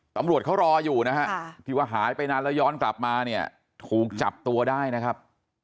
ตำรวจเขารออยู่นะครับหายไปนานแล้วย้อนกลับมาถูกจับตัวได้นะครับ